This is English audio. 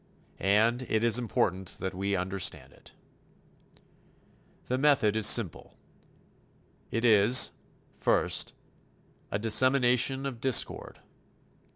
And it is important that we understand it. The method is simple. It is, first, a dissemination of discord.